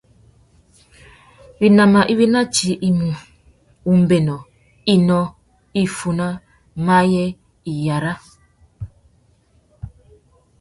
Winama iwí ná tsi i mú: umbênô, inó, iffuná, maye, iyara.